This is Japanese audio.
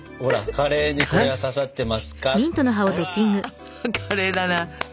カレーだな。